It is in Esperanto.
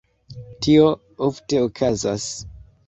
Tio ofte okazas.